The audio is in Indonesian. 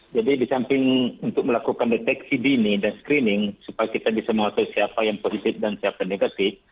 jadi di samping untuk melakukan deteksi dini dan screening supaya kita bisa memastikan siapa yang positif dan siapa negatif